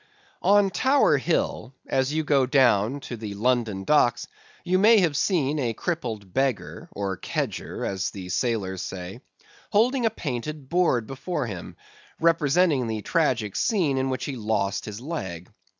On Tower hill, as you go down to the London docks, you may have seen a crippled beggar (or kedger, as the sailors say) holding a painted board before him, representing the tragic scene in which he lost his leg.